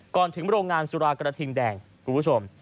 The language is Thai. ถึงโรงงานสุรากระทิงแดงคุณผู้ชม